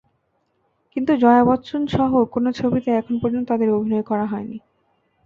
কিন্তু জয়া বচ্চনসহ কোনো ছবিতে এখন পর্যন্ত তাঁদের অভিনয় করা হয়নি।